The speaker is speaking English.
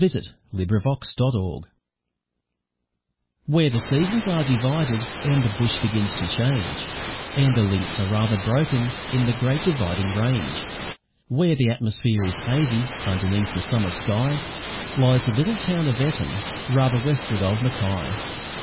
JOHNSON, ALIAS CROW Where the seasons are divided and the bush begins to change, and the links are rather broken in the Great Dividing Range; where the atmosphere is hazy underneath the summer sky, lies the little town of Eton, rather westward of Mackay.